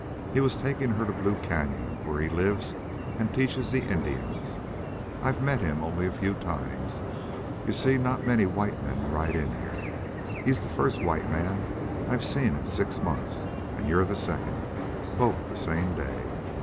He was taking her to Blue Cañon, where he lives and teaches the Indians. I've met him only a few times. You see, not many white men ride in here. He's the first white man I've seen in six months, and you're the second. Both the same day!...